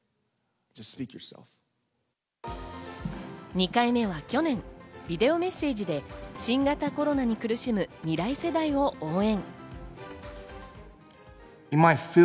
２回目は去年、ビデオメッセージで新型コロナに苦しむ未来世代を応援。